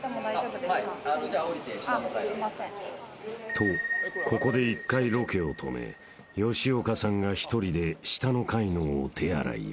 ［とここで１回ロケを止め吉岡さんが１人で下の階のお手洗いへ］